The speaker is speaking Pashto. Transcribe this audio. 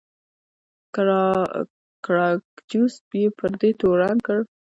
ګراکچوس یې پر دې تورن کړ.